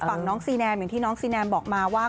ฝั่งน้องซีแนมอย่างที่น้องซีแนมบอกมาว่า